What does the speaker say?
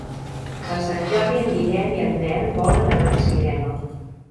Per Sant Jordi en Guillem i en Nel volen anar al cinema.